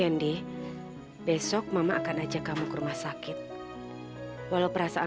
nih sarapan dulu